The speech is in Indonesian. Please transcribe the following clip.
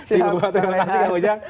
terima kasih kang ujang